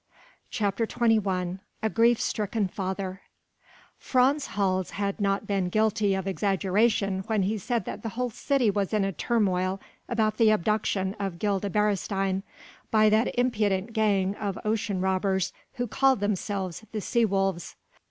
CHAPTER XXI A GRIEF STRICKEN FATHER Frans Hals had not been guilty of exaggeration when he said that the whole city was in a turmoil about the abduction of Gilda Beresteyn by that impudent gang of ocean robbers who called themselves the sea wolves.